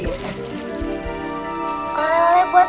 saya belikan oleh oleh buat tuti